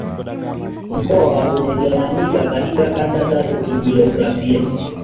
Mkoa umegawanyika katika kanda tatu kijiografia